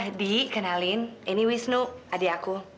ah dikenalin ini wisnu adik aku